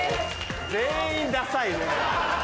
全員ダサいね。